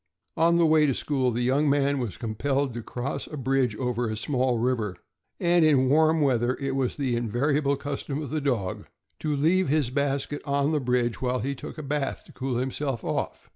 On the way to school, the young man was compelled to cross a bridge over a small river, and in warm weather it was the invariable custom of the dog to leave his basket on the bridge while he took a bath, to cool himself off.